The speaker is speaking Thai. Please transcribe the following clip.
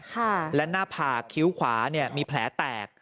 ค่ะและหน้าผากคิ้วขวาเนี่ยมีแผลแตก